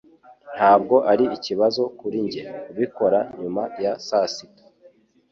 Ntabwo ari ikibazo kuri njye kubikora nyuma ya saa sita.